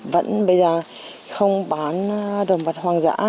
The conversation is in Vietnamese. vẫn bây giờ không bán động vật hoàng dã